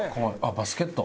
バスケット？